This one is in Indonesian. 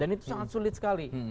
dan itu sangat sulit sekali